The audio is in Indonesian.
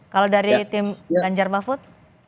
kalau dari tim ganjar mahfud